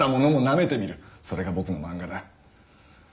それが僕の漫画だ。